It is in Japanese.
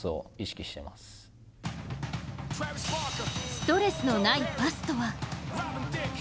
ストレスのないパスとは？